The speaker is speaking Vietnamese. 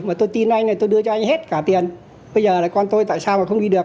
mà tôi tin anh này tôi đưa cho anh hết cả tiền bây giờ là con tôi tại sao mà không đi được